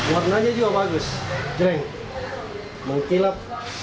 warnanya juga bagus jering mengkilap